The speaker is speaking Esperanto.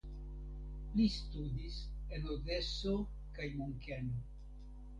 Li studis en Odeso kaj Munkeno.